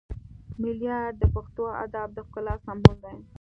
ملیار د پښتو ادب د ښکلا سمبول دی